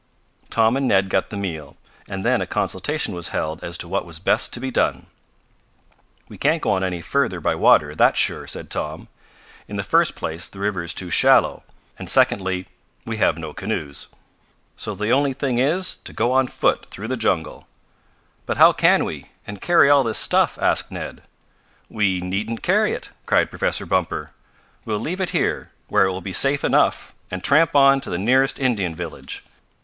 Tom and Ned got the meal, and then a consultation was held as to what was best to be done. "We can't go on any further by water, that's sure," said Tom. "In the first place the river is too shallow, and secondly we have no canoes. So the only thing is to go on foot through the jungle." "But how can we, and carry all this stuff?" asked Ned. "We needn't carry it!" cried Professor Bumper. "We'll leave it here, where it will be safe enough, and tramp on to the nearest Indian village.